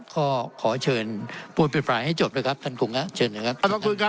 ก็ขอเชิญผู้อภิปรายให้จบด้วยครับท่านกรุงฮะเชิญนะครับขอบคุณครับ